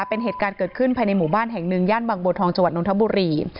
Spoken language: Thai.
เป็นเหตุการณ์เกิดขึ้นภายในหมู่บ้านแห่งหนึ่งย่านบางบัวทองจังหวัดนทบุรี